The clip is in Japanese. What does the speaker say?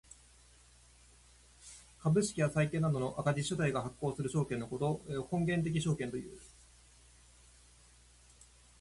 株式や債券などの赤字主体が発行する証券のことを本源的証券という。